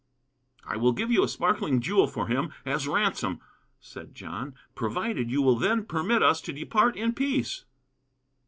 "I will give you a sparkling jewel for him, as a ransom," said John, "provided you will then permit us to depart in peace."